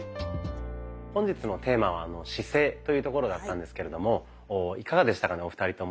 本日のテーマは「姿勢」というところだったんですけれどもいかがでしたかねお二人とも。